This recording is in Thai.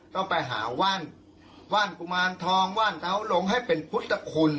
ต้องไปหาว่านว่านกุมารทองว่านเงาลงให้เป็นพุทธคุณ